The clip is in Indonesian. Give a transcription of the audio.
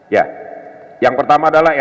ya yang pertama adalah